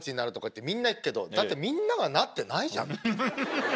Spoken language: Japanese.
だってみんながなってないじゃん。